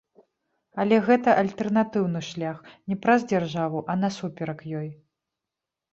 Але гэта альтэрнатыўны шлях, не праз дзяржаву, а насуперак ёй.